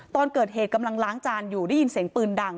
ตอนเกิดเหตุกำลังล้างจานอยู่ได้ยินเสียงปืนดัง